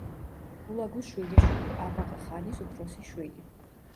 ჰულაგუს შვილიშვილი, აბაღა-ხანის უფროსი შვილი.